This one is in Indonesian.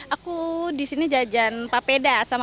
aku disini jajan papeda sama